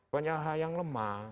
banyak hal yang lemah